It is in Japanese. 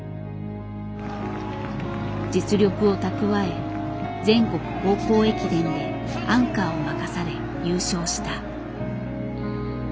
実力を蓄え全国高校駅伝でアンカーを任され優勝した。